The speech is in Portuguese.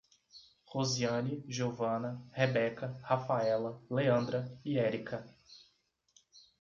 Rosiane, Geovana, Rebeca, Rafaela, Leandra e Érika